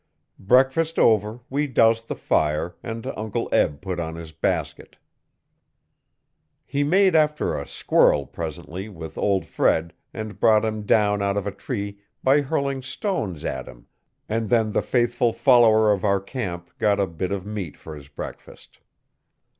Breakfast over we doused the fire and Uncle Eb put on his basket He made after a squirrel, presently, with old Fred, and brought him down out of a tree by hurling stones at him and then the faithful follower of our camp got a bit of meat for his breakfast.